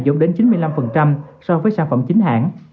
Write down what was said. giảm đến chín mươi năm so với sản phẩm chính hãng